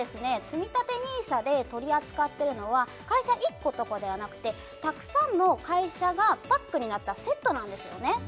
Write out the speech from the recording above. つみたてＮＩＳＡで取り扱ってるのは会社１個のところではなくてたくさんの会社がパックになったセットなんですよね